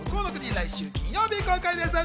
来週金曜日公開です。